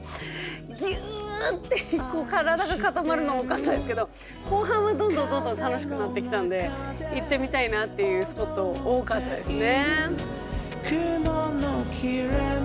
ギュッて体が固まるのが多かったんですけど後半はどんどんどんどん楽しくなってきたんで行ってみたいなっていうスポット多かったですね。